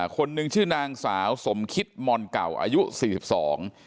คนหนึ่งชื่อนางสาวสมคิดมอนเก่าอายุสี่สิบสอง